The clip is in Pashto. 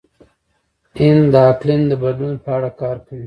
هند د اقلیم د بدلون په اړه کار کوي.